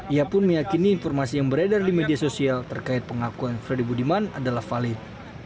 ia pun meyakini informasi yang beredar di media sosial terkait pengakuan freddy budiman adalah valid